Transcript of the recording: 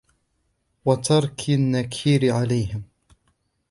وَتَرْكِ النَّكِيرِ عَلَيْهِمْ